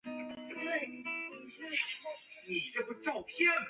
厕所设置于闸内大堂部分。